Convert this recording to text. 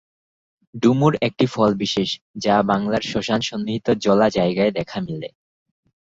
ডুমুর একটি ফল বিশেষ, যা বাংলার শ্মশান সন্নিহিত জলা জায়গায় দেখা মেলে।